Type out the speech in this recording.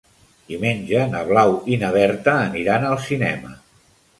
Diumenge na Blau i na Berta aniran al cinema.